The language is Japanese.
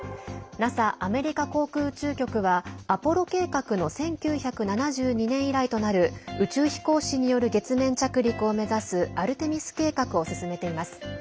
ＮＡＳＡ＝アメリカ航空宇宙局はアポロ計画の１９７２年以来となる宇宙飛行士による月面着陸を目指すアルテミス計画を進めています。